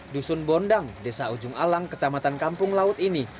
dusun bondang desa ujung alang kecamatan kampung laut ini